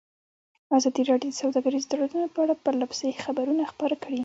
ازادي راډیو د سوداګریز تړونونه په اړه پرله پسې خبرونه خپاره کړي.